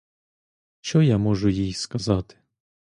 Що я можу їй сказати?